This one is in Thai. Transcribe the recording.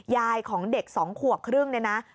ยายของเด็ก๒ขวบครึ่งเนี่ยนะ